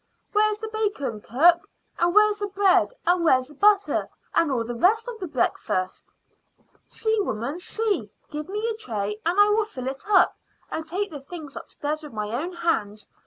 "Where's the bacon, cook? And where's the bread, and where's the butter, and all the rest of the breakfast? See, woman see! Give me a tray and I will fill it up and take the things upstairs with my own hands.